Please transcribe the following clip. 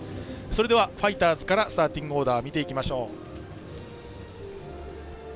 では、ファイターズからスターティングオーダーを見ていきましょう。